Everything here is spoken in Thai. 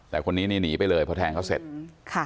แต่คนนี้นี่หนีไปเลยพอแทงเขาเสร็จค่ะ